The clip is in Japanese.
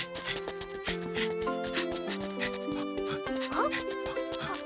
あっ。